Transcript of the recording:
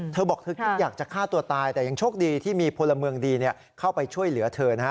เธอบอกเธอคิดอยากจะฆ่าตัวตายแต่ยังโชคดีที่มีพลเมืองดีเข้าไปช่วยเหลือเธอนะฮะ